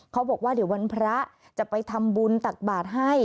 เขาบอกว่าเดี๋ยววันพระจะไปทำบุญตักบาทให้